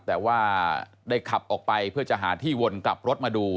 แต่ว่าได้ขับออกไปเพื่อจะหาที่วนกลับรถมาดู